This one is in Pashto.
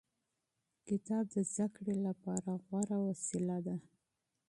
کتاب د زده کړې لپاره غوره وسیله ده.